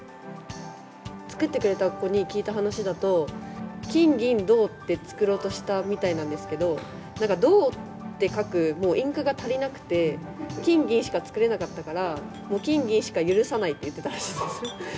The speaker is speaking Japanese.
作ってくれた子に聞いた話だと、金、銀、銅って作ろうとしたみたいなんですけど、なんか銅って書くもうインクが足りなくて、金、銀しか作れなかったから、もう金銀しか許さないって言ってたらしいです。